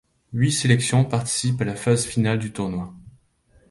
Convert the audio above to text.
Huit sélections participent à la phase finale du tournoi.